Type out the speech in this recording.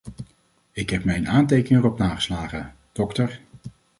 Ik heb mijn aantekeningen erop nageslagen: dr.